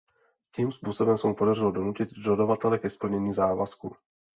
Tímto způsobem se mu podařilo donutit dodavatele ke splnění závazku.